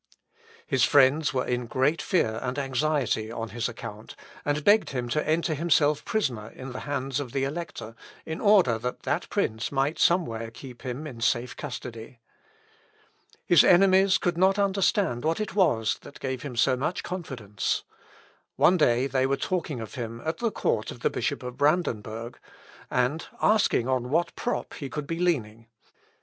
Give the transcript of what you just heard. His friends were in great fear and anxiety on his account, and begged him to enter himself prisoner in the hands of the Elector, in order that that prince might somewhere keep him in safe custody. "Ut principi me in captivatem darem." (Ibid. p. 189.) His enemies could not understand what it was that gave him so much confidence. One day they were talking of him at the court of the Bishop of Brandenburg, and asking on what prop he could be leaning.